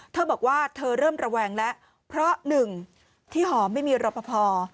เธอบอกว่าเธอเริ่มระแวงแล้วเพราะหนึ่งที่หอไม่มีรอปภ